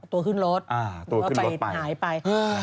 ตัวขึ้นรถหรือว่าไปหายไป